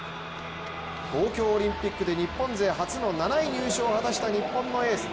東京オリンピックで日本勢初の７位入賞を果たした日本のエース。